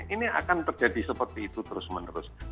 ini akan terjadi seperti itu terus menerus